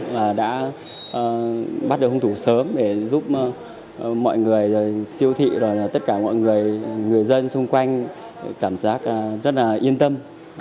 và đã bắt được hung thủ sớm để giúp mọi người siêu thị và tất cả mọi người người dân xung quanh cảm giác rất là yên tâm